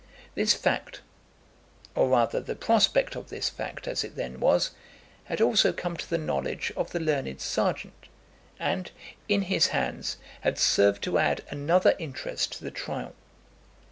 This fact, or rather the prospect of this fact, as it then was, had also come to the knowledge of the learned serjeant, and, in his hands, had served to add another interest to the trial.